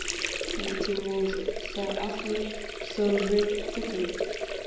کله چې موږ ساه اخلو سږي څه کوي